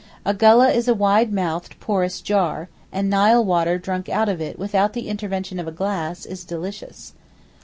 A gulleh is a wide mouthed porous jar, and Nile water drunk out of it without the intervention of a glass is delicious.